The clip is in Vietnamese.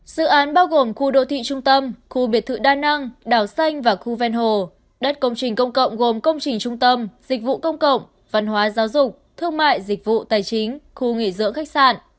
dự án bao gồm khu đô thị trung tâm khu biệt thự đa năng đảo xanh và khu ven hồ đất công trình công cộng gồm công trình trung tâm dịch vụ công cộng văn hóa giáo dục thương mại dịch vụ tài chính khu nghỉ dưỡng khách sạn